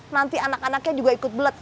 nanti anak anaknya juga ikut belek